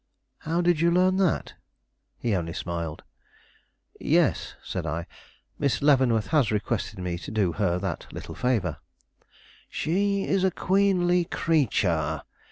"How did you learn that?" He only smiled. "Yes," said I; "Miss Leavenworth has requested me to do her that little favor." "She is a queenly creature!"